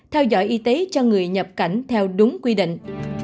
theo dõi y tế cho người nhập cảnh theo đúng quy định